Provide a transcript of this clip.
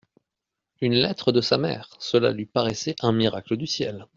Une lettre de sa mère ! Cela lui paraissait un miracle du ciel.